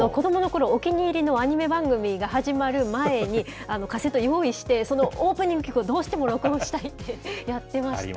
お気に入りにアニメ番組が始まる前に、カセット用意して、そのオープニング曲、どうしても録音したいってやってました。